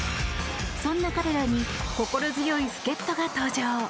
そんな彼らに心強い助っ人が登場。